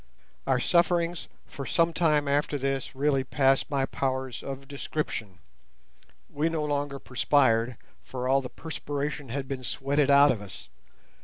Our sufferings for some time after this really pass my powers of description. We no longer perspired, for all the perspiration had been sweated out of us.